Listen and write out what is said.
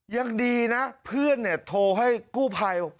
ยังดีนะเพื่อนโทรให้กู้ภัย